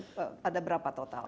pada berapa total